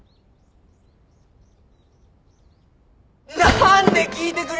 何で聞いてくれないの！？